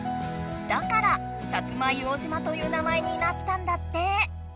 だから薩摩硫黄島という名前になったんだって。